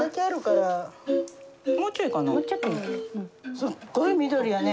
すっごい緑やね。